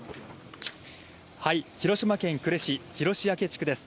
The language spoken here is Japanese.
広島県呉市広塩焼地区です。